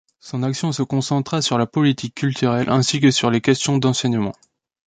Son action se concentra sur la politique culturelle ainsi que sur les questions d’enseignement.